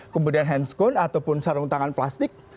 kemudian handscone ataupun sarung tangan plastik